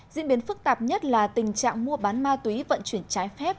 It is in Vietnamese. diễn biến phức tạp nhất là tình trạng mua bán ma túy vận chuyển trái phép